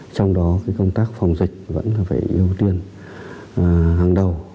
trong đó công tác phòng dịch vẫn là phải ưu tiên hàng đầu